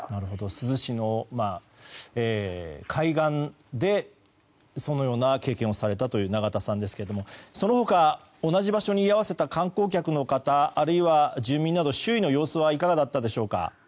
珠洲市の海岸でそのような経験をされたというナガタさんですがその他、同じ場所に居合わせた観光客の方、あるいは住民など周囲の様子はいかがだったでしょうか？